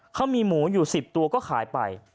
เขามีหมูอยู่๑๐ตัวก็ขายไป